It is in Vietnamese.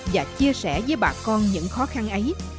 và chia sẻ với bà con những khó khăn ấy